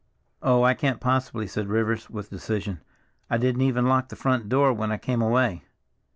"Oh, I can't, possibly," said Rivers with decision. "I didn't even lock the front door when I came away.